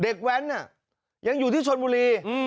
เด็กแว้นอ่ะยังอยู่ที่ชนบุรีอืม